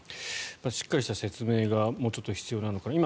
しっかりした説明がもうちょっと説明なのかなと。